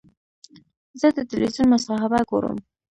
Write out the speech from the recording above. زه د تلویزیون مصاحبه ګورم.